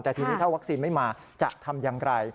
แต่ทีนี้ถ้าวัคซีนไม่มาจะทำอย่างไร